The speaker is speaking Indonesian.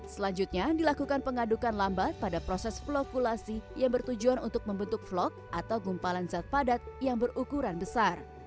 selanjutnya dilakukan pengadukan lambat pada proses flokulasi yang bertujuan untuk membentuk vlog atau gumpalan zat padat yang berukuran besar